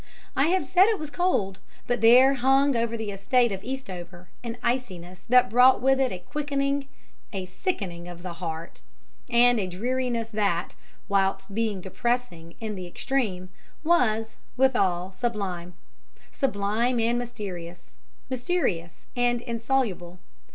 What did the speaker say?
I have said it was cold; but there hung over the estate of Eastover an iciness that brought with it a quickening, a sickening of the heart, and a dreariness that, whilst being depressing in the extreme, was, withal, sublime. Sublime and mysterious; mysterious and insoluble.